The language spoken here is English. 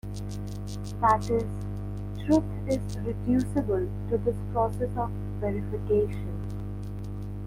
That is, truth is reducible to this process of verification.